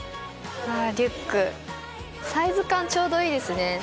あぁリュックサイズ感ちょうどいいですね。